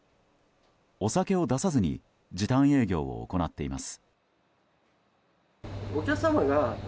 お酒を出さずに時短営業を行っています。